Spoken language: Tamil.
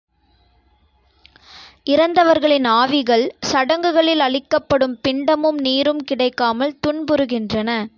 இறந்தவர்களின் ஆவிகள், சடங்குகளில் அளிக்கப்படும் பிண்டமும் நீரும் கிடைக்காமல் துன்புறுகின்றன.